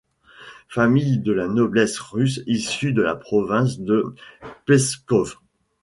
Famille de la noblesse russe issue de la province de Pskov.